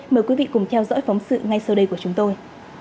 mời quý vị cùng theo dõi phóng sự ngay sau đây của chúng tôi